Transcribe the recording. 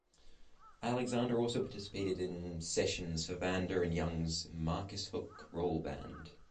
Alexander also participated in sessions for Vanda and Young's Marcus Hook Roll Band.